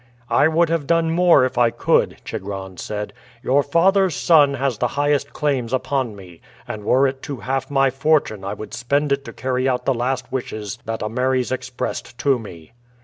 "I would have done more if I could," Chigron said. "Your father's son has the highest claims upon me, and were it to half my fortune I would spend it to carry out the last wishes that Ameres expressed to me."